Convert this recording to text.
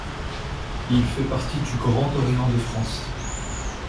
Il fait partie du Grand Orient de France.